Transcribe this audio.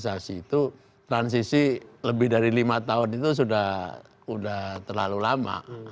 kalau kita berbicara mengenai demokratisasi itu transisi lebih dari lima tahun itu sudah terlalu lama